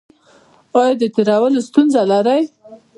ایا د تیرولو ستونزه لرئ؟